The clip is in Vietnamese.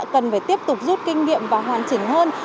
cần phải tiếp tục rút kinh nghiệm và hoàn chỉnh hơn